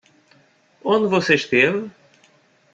Onde você esteve?